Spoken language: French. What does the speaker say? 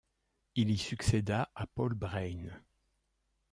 Il y succéda à Paul Breyne.